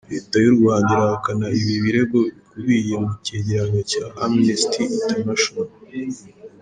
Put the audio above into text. Leta y’u Rwanda irahakana ibi birego bikubiye mu cyegeranyo cya Amnesty International.